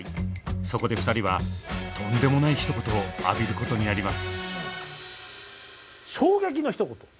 そこで２人はとんでもない一言を浴びることになります。